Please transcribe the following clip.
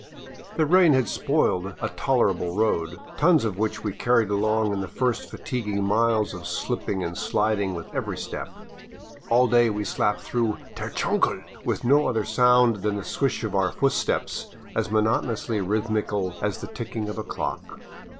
The rain had spoiled a tolerable road, tons of which we carried along in the first fatiguing miles of slipping and sliding with every step. All day we slapped through " der chungle " with no other sound than the swish of our footsteps, as monotonously rhythmical as the ticking of a clock.